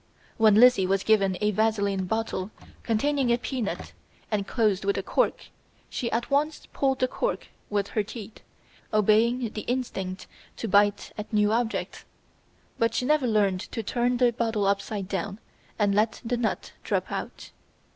When Lizzie was given a vaseline bottle containing a peanut and closed with a cork, she at once pulled the cork out with her teeth, obeying the instinct to bite at new objects, but she never learned to turn the bottle upside down and let the nut drop out.